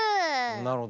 なるほどね。